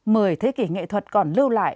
mười thế kỷ nghệ thuật còn lưu lại